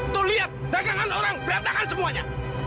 tuh lihat dagangan orang berantakan semuanya